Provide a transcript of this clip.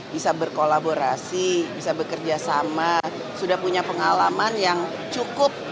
bisa berkolaborasi bisa bekerjasama sudah punya pengalaman yang cukup